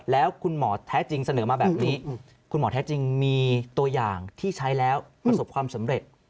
แล้วคุณหมอแท้จริงเสนอมาแบบนี้คุณหมอแท้จริงมีตัวอย่างที่ใช้แล้วประสบความสำเร็จ